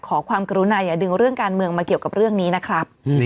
ขอความกรุณาอย่าดึงเรื่องการเมืองมาเกี่ยวกับเรื่องนี้นะครับ